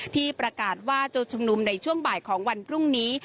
ที่ประกาศว่าจะชุมนุมในช่วงบ่ายของวันพรุ่งนี้